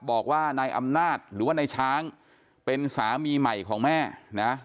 บอกว่านายอำนาจหรือว่านายช้างเป็นสามีใหม่ของแม่นะ